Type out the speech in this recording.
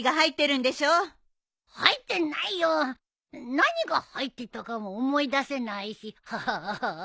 何が入ってたかも思い出せないしハハハ。